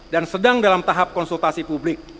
dan sedang dalam tahap konsultasi publik